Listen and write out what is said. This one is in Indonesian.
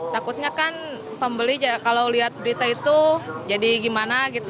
takutnya kan pembeli kalau lihat berita itu jadi gimana gitu